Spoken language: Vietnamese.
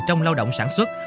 trong lao động sản xuất